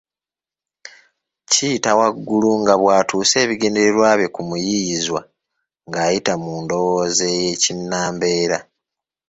Kiyitawaggulu nga bw’atuusa ebigendererwa bye ku muyiiyizwa ng’ayitira mu ndowooza y’Ekinnambeera: